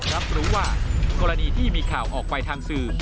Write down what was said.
รับรู้ว่ากรณีที่มีข่าวออกไปทางสื่อ